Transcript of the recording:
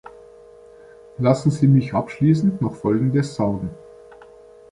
Lassen Sie mich abschließend noch Folgendes sagen.